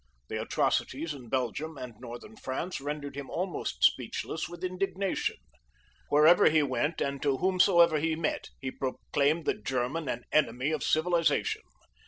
The atrocities in Belgium and Northern France rendered him almost speechless with indignation. Wherever he went, and to whomsoever he met, he proclaimed the German an enemy to civilisation.